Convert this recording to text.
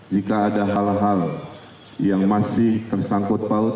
jika ada hal hal yang masih tersangkut paut